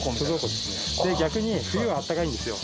で逆に冬はあったかいんですよ。